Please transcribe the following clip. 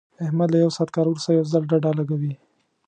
احمد له یو ساعت کار ورسته یو ځل ډډه لګوي.